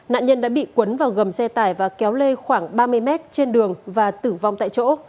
nạn nhân đã bị cuốn vào gầm xe tải và kéo lê khoảng ba mươi mét trên đường và tử vong tại chỗ